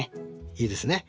いいですね。